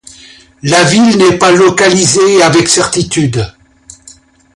La ville n'est pas localisée avec certitude.